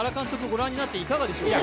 ご覧になっていかがでしょうか